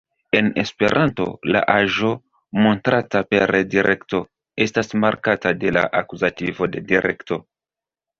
En esperanto, la aĵo montrata per direkto estas markata de la akuzativo de direkto.